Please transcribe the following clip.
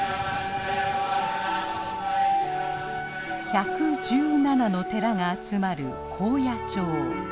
１１７の寺が集まる高野町。